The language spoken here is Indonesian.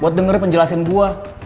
buat dengerin penjelasan gue